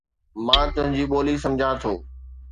مان تنهنجي ٻولي سمجهان ٿو.